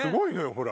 ほら。